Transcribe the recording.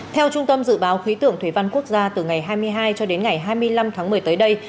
theo trung tâm dự báo khí tượng thủy văn quốc gia từ ngày hai mươi hai cho đến ngày hai mươi năm tháng một mươi tới đây